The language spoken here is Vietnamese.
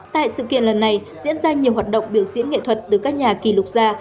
tại sự kiện lần này diễn ra nhiều hoạt động biểu diễn nghệ thuật từ các nhà kỷ lục gia